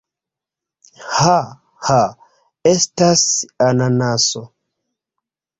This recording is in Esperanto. Ha! Ha! Estas ananaso!